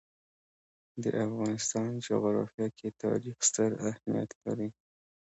د افغانستان جغرافیه کې تاریخ ستر اهمیت لري.